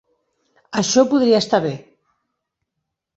Això podria estar bé.